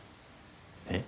え？